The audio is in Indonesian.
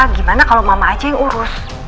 gimana kalau mama aja yang urus